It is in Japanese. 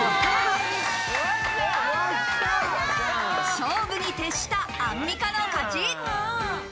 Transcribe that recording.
勝負に徹したアンミカの勝ち。